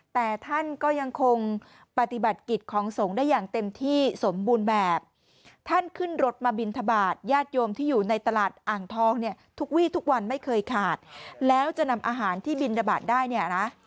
แต่ท่านก็ยังคงปฏิบัติกิจของสงฆ์ได้อย่างเต็มที่สมบูรณ์แบบท่านขึ้นรถมาบินทบาทญาติโยมที่อยู่ในตลาดอ่างทองเนี่ยทุกวี่ทุกวันไม่เคยขาดแล้วจะนำอาหารที่บินทบาทได้เนี่ยนะ